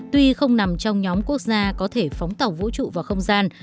tuy không nằm trong nhóm quốc gia có thể phóng tàu vũ trụ vào không gian